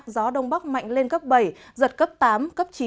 gió đông bắc mạnh lên cấp bảy giật cấp tám cấp chín